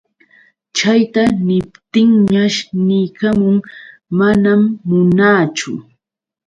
Chayta niptinñash niykamun: manam munaachu.